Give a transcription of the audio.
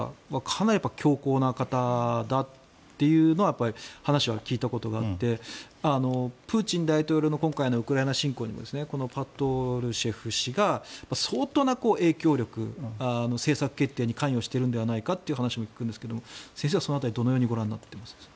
かなり強硬な方だっていうのは話は聞いたことがあってプーチン大統領の今回のウクライナ侵攻にもこのパトルシェフ氏が相当な影響力、政策決定に関与しているんじゃないかという話も聞くんですが先生はその辺りどのようにご覧になっていますか？